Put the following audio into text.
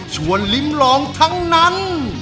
ลิ้มลองทั้งนั้น